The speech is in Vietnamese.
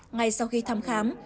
ngay sau khi thăm khám